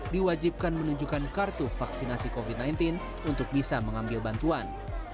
diwajibkan menunjukkan kartu vaksinasi covid sembilan belas untuk bisa mengambil bantuan